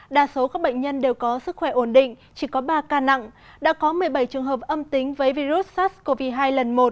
đa số các bệnh nhân đều có sức khỏe ổn định chỉ có ba ca nặng đã có một mươi bảy trường hợp âm tính với virus sars cov hai lần một